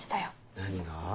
何が？